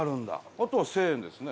あとは１０００円ですね。